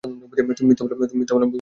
তুমি মিথ্যা বললে আমি বুঝতে পারি।